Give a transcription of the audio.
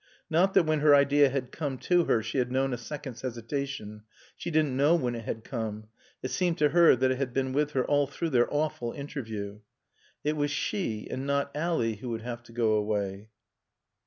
Not that when her idea had come to her she had known a second's hesitation. She didn't know when it had come. It seemed to her that it had been with her all through their awful interview. It was she and not Ally who would have to go away.